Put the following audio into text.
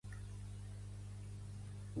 El guapo del tren sembla un paio interessant